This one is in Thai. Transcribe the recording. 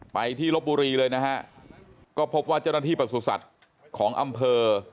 ไปที่ลบบุรีเลยนะฮะก็พบว่าเจ้าหน้าที่ประสุทธิ์ของอำเภอ